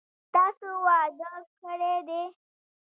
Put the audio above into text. تاسو واده کړی دی؟